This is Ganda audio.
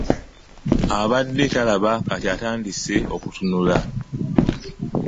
Abadde talaba kati atandise okutunula.